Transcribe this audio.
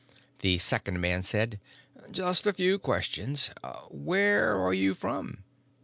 The second man said, "Just a few questions. Where are you from?"